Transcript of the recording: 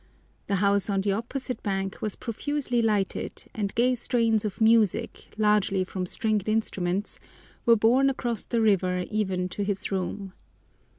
The house on the opposite bank was profusely lighted, and gay strains of music, largely from stringed instruments, were borne across the river even to his room.